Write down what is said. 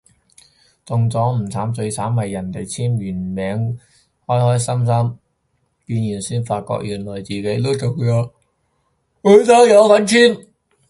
中咗唔慘，最慘係人哋簽完名開開心心見完先發覺原來自己都中咗本身有份簽